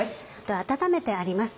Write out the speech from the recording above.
温めてあります